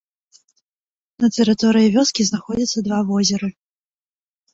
На тэрыторыі вёскі знаходзяцца два возеры.